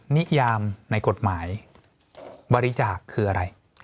นิยามในกฎหมายบริจาคคืออะไร